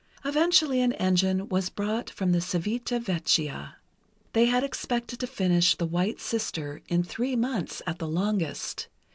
Eventually an engine was brought from Civita Vecchia. They had expected to finish the "White Sister" in three months, at the longest.